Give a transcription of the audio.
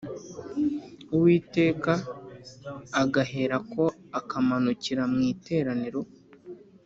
Uwiteka ugaherako ukamanukira mu iteraniro